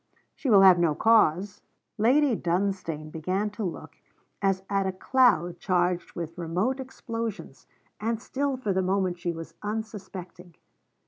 'She will have no cause.' Lady Dunstane began to look, as at a cloud charged with remote explosions: and still for the moment she was unsuspecting.